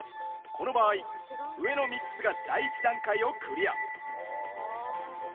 この場合上の３つが第１段階をクリア。